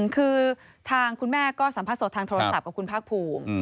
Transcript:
คือทางคุณแม่ก็สัมภาษณ์สดทางโทรศัพท์กับคุณภาคภูมิ